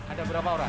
ada berapa orang